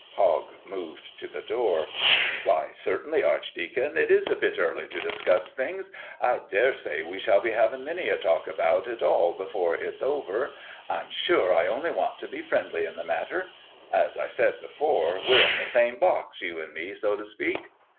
Hogg moved to the door. "Why, certainly, Archdeacon. It is a bit early to discuss things. I daresay we shall be havin' many a talk about it all before it's over. I'm sure I only want to be friendly in the matter. As I said before, we're in the same box, you and me, so to speak.